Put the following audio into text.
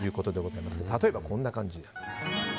例えば、こんな感じです。